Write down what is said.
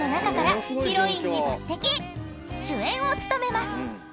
［主演を務めます］